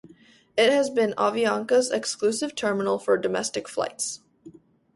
It has been Avianca's exclusive terminal for domestic flights.